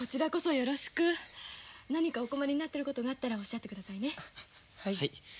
何かお困りになってることがあったらおっしゃって下さいね。